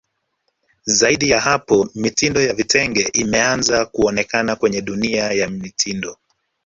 Zaidi ya hapo mitindo ya vitenge imeanze kuonekana kwenye dunia ya mitindo